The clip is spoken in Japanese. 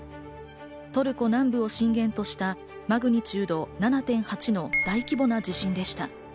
トルコ南部を震源としたマグニチュード７．８の大規模な地震でした。